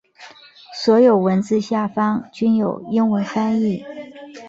所有文字下方均有英文翻译。